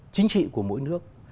chính trị của mỗi nước